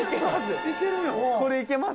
これ行けます。